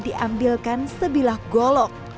mr diambilkan sebilah golok